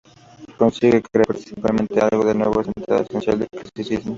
Consigue recrear parcialmente algo del nuevo sentido esencial del clasicismo.